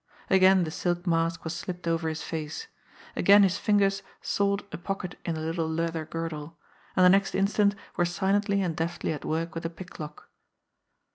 Again the silk mask was slipped over his face; again his fingers sought a pocket in the little leather girdle and the next instant were silently and deftly at work with a pick lock.